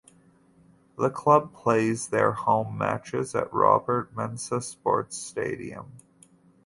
The club plays their home matches at the Robert Mensah Sports Stadium.